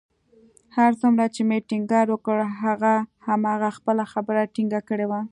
هر څومره چې مې ټينګار وکړ، هغه همهغه خپله خبره ټینګه کړې وه